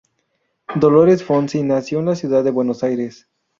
Dolores Fonzi nació en la ciudad de Buenos Aires.